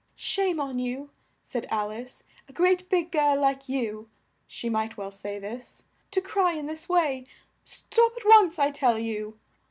"Shame on you," said Al ice, "a great big girl like you" (she might well say this) "to cry in this way! Stop at once, I tell you!"